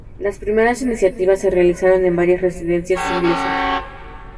Las primeras iniciativas se realizaron en varias residencias inglesas.